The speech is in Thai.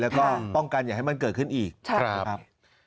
แล้วก็ป้องกันอย่าให้มันเกิดขึ้นอีกนะครับ